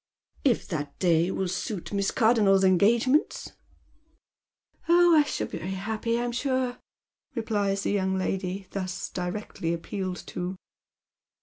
" If that day will suit Miss Cardoimers engagements." " Oh, I shall be very happy, I'm sure," replies the young lady thus directly appealed to.